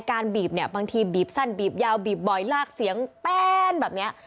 บีบเนี่ยบางทีบีบสั้นบีบยาวบีบบ่อยลากเสียงแป้นแบบนี้